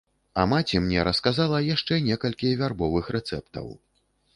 А маці мне расказала яшчэ некалькі вярбовых рэцэптаў.